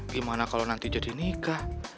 gimana kalau nanti jadi nikah